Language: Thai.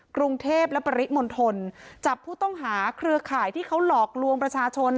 กรุงเทพและปริมณฑลจับผู้ต้องหาเครือข่ายที่เขาหลอกลวงประชาชน